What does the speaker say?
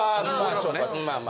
まあまあ。